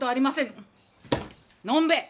のんべ！